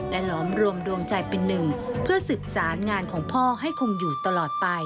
หลอมรวมดวงใจเป็นหนึ่งเพื่อสืบสารงานของพ่อให้คงอยู่ตลอดไป